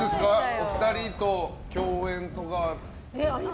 お二人と共演とかは。